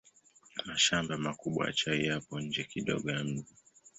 Mashamba makubwa ya chai yapo nje kidogo ya mji.